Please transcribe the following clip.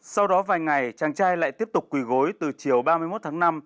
sau đó vài ngày chàng trai lại tiếp tục quỳ gối từ chiều ba mươi một tháng năm